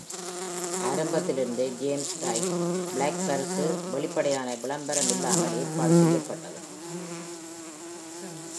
ஆரம்பத்தில் இருந்தே, James Tait Black பரிசு வெளிப்படையான விளம்பரம் இல்லாமல் ஏற்பாடு செய்யப்பட்டது.